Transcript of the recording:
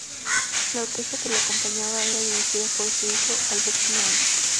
La orquesta que la acompañaba era dirigida por su hijo, Alberto Naranjo.